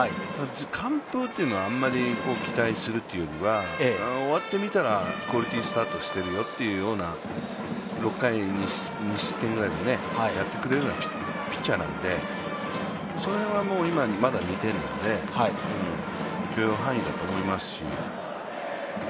完封というのはあまり期待するというよりは終わってみたらクオリティースタートしているよというような６回２失点ぐらいでやってくれるようなピッチャーなので、それは今まだ２点なので、許容範囲だと思いますし。